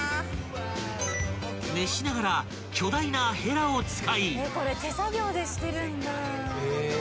［熱しながら巨大なヘラを使い］